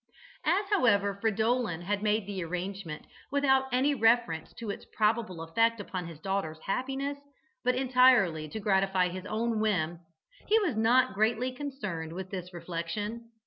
As, however, Fridolin had made the arrangement without any reference to its probable effect upon his daughter's happiness, but entirely to gratify his own whim, he was not greatly concerned with this reflection.